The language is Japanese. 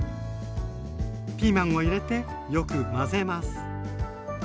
ピーマンを入れてよく混ぜます。